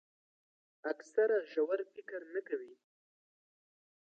اکثره ژور فکر نه کوي.